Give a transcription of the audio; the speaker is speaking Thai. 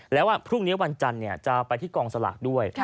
แล้วพรุ่งนี้วันจันทร์จะไปที่กองสลากด้วย